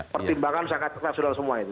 pertimbangan sangat nasional semua itu